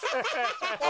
ハハハハ。